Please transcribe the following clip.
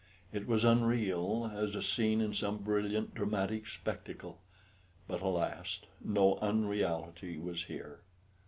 It was unreal as a scene in some brilliant dramatic spectacle, but, alas! no unreality was here.